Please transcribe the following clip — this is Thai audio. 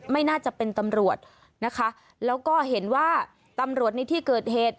ไม่น่าจะเป็นตำรวจนะคะแล้วก็เห็นว่าตำรวจในที่เกิดเหตุ